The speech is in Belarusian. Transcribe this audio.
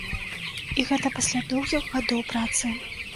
І гэта пасля доўгіх гадоў працы!